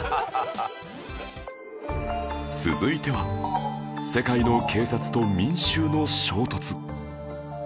続いては世界の警察と民衆の衝突